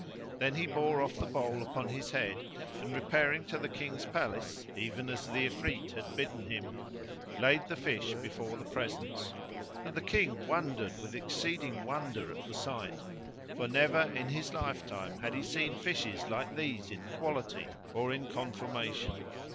Then he bore off the bowl upon his head and repairing to the King's palace (even as the Ifrit had bidden him) laid the fish before the presence; and the King wondered with exceeding wonder at the sight, for never in his lifetime had' he seen fishes like these in quality or in conformation.